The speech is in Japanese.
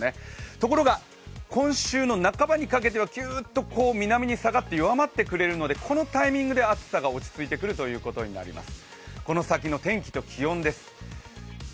ところが今週の半ばにかけてはきゅーっと南に下がって弱まってくれるのでこのタイミングで暑さが落ち着いてくるということになります。